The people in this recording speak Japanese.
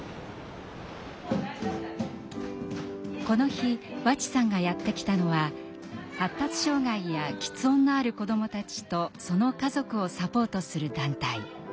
この日和智さんがやって来たのは発達障害や吃音のある子どもたちとその家族をサポートする団体。